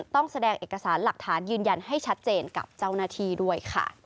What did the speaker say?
ต้องแสดงเอกสารหลักฐานยืนยันให้ชัดเจนกับเจ้าหน้าที่ด้วยค่ะ